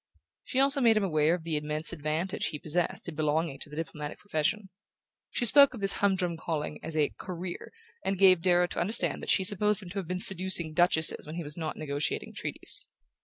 She also made him aware of the immense advantage he possessed in belonging to the diplomatic profession. She spoke of this humdrum calling as a Career, and gave Darrow to understand that she supposed him to have been seducing Duchesses when he was not negotiating Treaties.